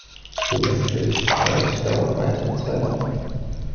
Die Nestlingszeit dauert weitere zwei Wochen.